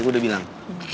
aku udah bilang